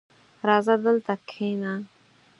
راځه دلته کښېنه!